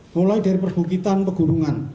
mulai dari perbukitan pegurunan